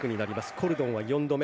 コルドンは４度目。